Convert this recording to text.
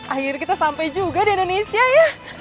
akhirnya kita sampai juga di indonesia ya